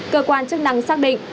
cơ quan chức năng xác định